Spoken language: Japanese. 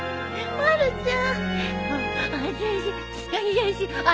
まるちゃん。